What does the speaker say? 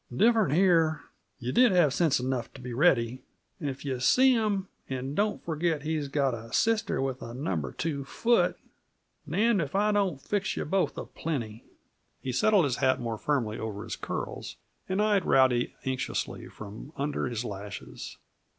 "Different here. Yuh did have sense enough t' be ready and if yuh see him, and don't forget he's got a sister with a number two foot, damned if I don't fix yuh both a plenty!" He settled his hat more firmly over his curls, and eyed Rowdy anxiously from under his lashes.